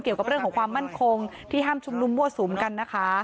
เกี่ยวกับเรื่องของความมั่นคงที่ห้ามชุมนุมมั่วสุมกันนะคะ